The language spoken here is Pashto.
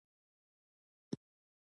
ځکه بيا د شرمښ او لېوه تور پرې لګېږي.